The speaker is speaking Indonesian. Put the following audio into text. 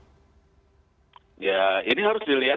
ya ini harus dilihat